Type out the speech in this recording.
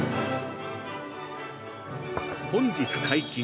「本日解禁！